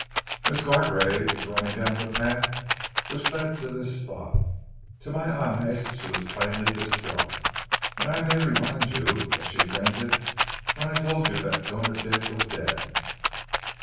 "Miss Gargrave was running down the path which led to this spot. To my eyes she was plainly distraught, and I may remind you that she fainted when I told you that Koona Dick was dead."